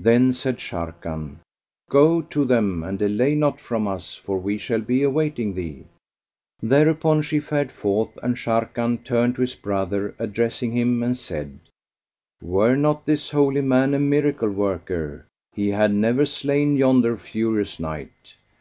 Then said Sharrkan, "Go to them; and delay not from us, for we shall be awaiting thee." Thereupon she fared forth and Sharrkan turned to his brother addressing him and said, "Were not this holy man a miracle worker, he had never slain yonder furious knight.